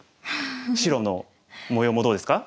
白の模様もどうですか？